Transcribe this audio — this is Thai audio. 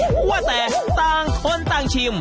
เพราะว่าแต่ต่างคนต่างชิม